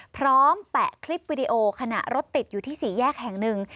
แปะคลิปวิดีโอขณะรถติดอยู่ที่สี่แยกแห่งหนึ่ง